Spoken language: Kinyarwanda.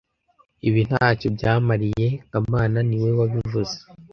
Ibi ntacyo byabamariye kamana niwe wabivuze